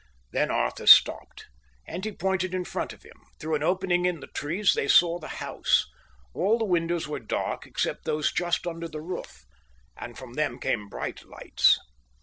Then Arthur stopped them, and he pointed in front of him. Through an opening in the trees, they saw the house. All the windows were dark except those just under the roof, and from them came bright lights.